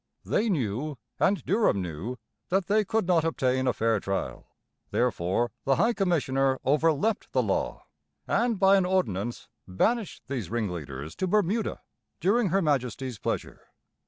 They knew, and Durham knew, that they could not obtain a fair trial. Therefore the High Commissioner overleapt the law, and by an ordinance banished these ringleaders to Bermuda during Her Majesty's pleasure.